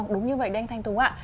đúng như vậy đấy anh thanh thú ạ